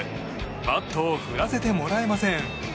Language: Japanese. バットを振らせてもらえません。